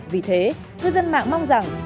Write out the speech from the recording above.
vì thế ngư dân mạng mong rằng